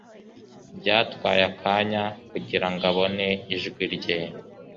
Byatwaye akanya kugirango abone ijwi rye